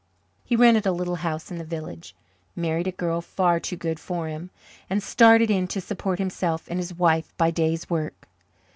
He rented a little house in the village, married a girl "far too good for him," and started in to support himself and his wife by days' work.